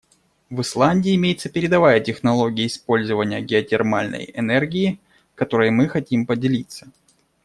В Исландии имеется передовая технология использования геотермальной энергии, которой мы хотим поделиться.